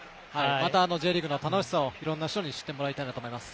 またＪリーグの楽しさをいろんな人に知ってもらいたいと思います。